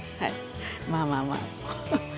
まあまあまあ。